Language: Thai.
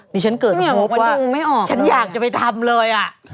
นี่ฉันเกิดมบว่าฉันอยากจะไปทำเลยอะ